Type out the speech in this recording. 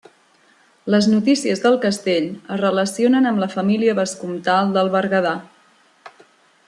Les notícies del castell es relacionen amb la família vescomtal del Berguedà.